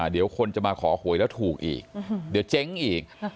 เดี๋ยวคนจะมาขอหวยแล้วถูกอีกเดี๋ยวเจ๊งอีก